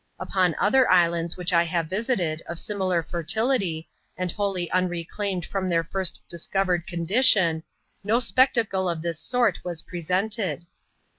Upon other islands which I have visited, of similar fertility, and wholly unreclaimed from their first discovered condition, no spectacle of this sort was presented.